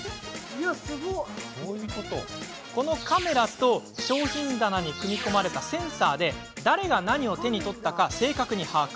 このカメラと商品棚に組み込まれたセンサーで誰が何を手に取ったかを正確に把握。